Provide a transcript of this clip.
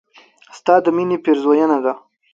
ستا د مينې پيرزوينه ده